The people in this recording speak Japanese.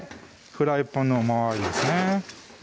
フライパンの周りですね